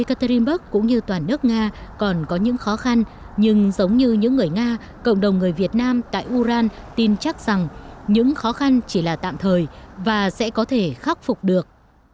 e caterinburg cũng như toàn nước nga còn có những khó khăn nhưng giống như những người nga cộng đồng người việt nam tại uran tin chắc rằng những khó khăn chỉ là tạm thời và sẽ có thể khắc phục được